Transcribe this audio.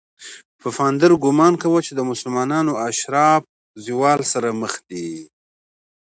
پفاندر ګومان کاوه چې د مسلمانانو اشراف زوال سره مخ دي.